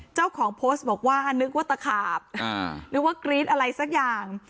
เจ้าของโพสต์บอกว่านึกว่าตะขาบนึกว่ากรี๊ดอะไรสักอย่าง